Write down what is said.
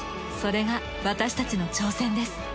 それが私たちの挑戦です。